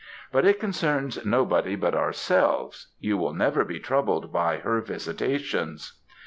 But it concerns nobody but ourselves; you will never be troubled by her visitations.'